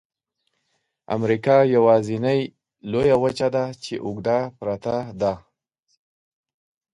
امریکا یوازني لویه وچه ده چې اوږده پرته ده.